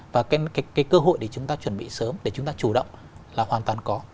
và cái cơ hội để chúng ta chuẩn bị sớm để chúng ta chủ động là hoàn toàn có